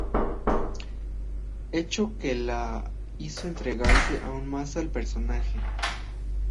Hecho que la hizo entregarse aún más al personaje.